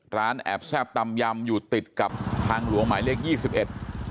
ร้านแอบแซ่บตำยำอยู่ติดกับทางหลวงหมายเลข๒๑